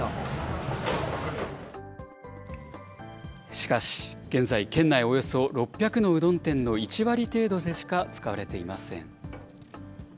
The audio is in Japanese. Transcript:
しかし、現在、県内およそ６００のうどん店の１割程度でしか使われていません。